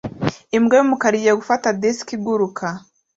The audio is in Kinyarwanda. Imbwa yumukara igiye gufata disiki iguruka